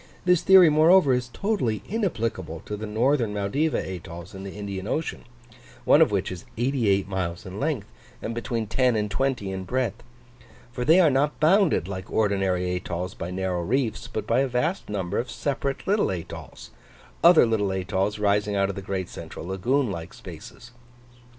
This theory, moreover, is totally inapplicable to the northern Maldiva atolls in the Indian Ocean (one of which is 88 miles in length, and between 10 and 20 in breadth), for they are not bounded like ordinary atolls by narrow reefs, but by a vast number of separate little atolls; other little atolls rising out of the great central lagoon like spaces.